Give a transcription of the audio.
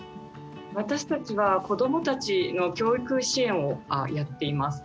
私たちは子どもたちの教育支援をやっています。